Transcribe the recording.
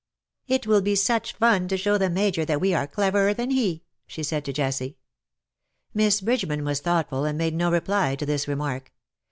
" It will be such fun to show the Major that we are cleverer than he," she said to Jessie. Miss Bridgeman was thoughtful, and made no reply to this remark.